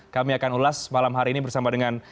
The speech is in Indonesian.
kami akan ulas malam hari ini bersama dengan